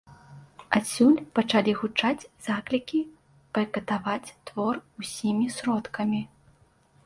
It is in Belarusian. Адсюль пачалі гучаць заклікі байкатаваць твор усімі сродкамі.